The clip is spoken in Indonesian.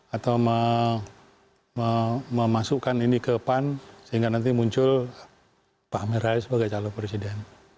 atau memasukkan ini ke pan sehingga nanti muncul pak amin rais sebagai calon presiden